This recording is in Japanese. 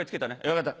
よかった。